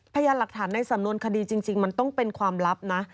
พยานหลักฐานในสำนวนคดีจริงมันต้องเป็นความลับนะ